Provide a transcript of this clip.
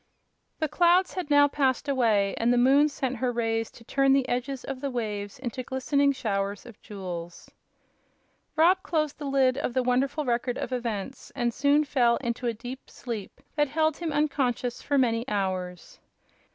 The clouds had now passed away and the moon sent her rays to turn the edges of the waves into glistening showers of jewels. Rob closed the lid of the wonderful Record of Events and soon fell into a deep sleep that held him unconscious for many hours.